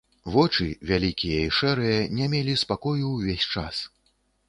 Вочы, вялікія і шэрыя, не мелі спакою ўвесь час.